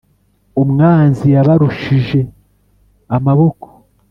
umwanzi yabarushije amaboko.»